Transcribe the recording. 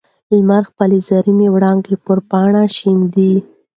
لمر خپلې زرینې وړانګې پر پاڼه شیندي.